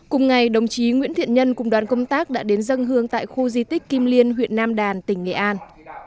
cùng ngày đồng chí nguyễn thiện nhân cùng đoàn công tác đã đến dân hương tại khu di tích kim liên huyện nam đàn tỉnh nghệ an